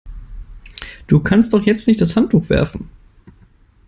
Du kannst doch jetzt nicht das Handtuch werfen!